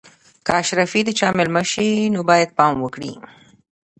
که اشرافي د چا مېلمه شي نو باید پام وکړي.